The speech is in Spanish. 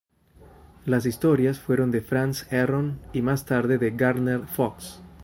Las historias fueron de France Herron y más tarde de Gardner Fox.